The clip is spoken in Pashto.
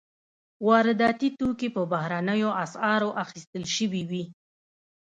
وارداتي توکي په بهرنیو اسعارو اخیستل شوي وي.